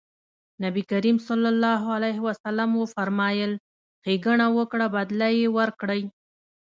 نبي کريم ص وفرمایل ښېګڼه وکړه بدله يې ورکړئ.